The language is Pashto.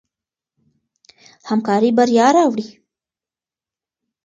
همکاري بریا راوړي.